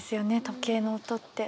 時計の音って。